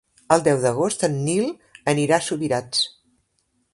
El deu d'agost en Nil anirà a Subirats.